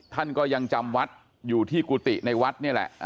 ท่านก็ยังจำวัดอยู่ที่กุฏิในวัดนี่แหละ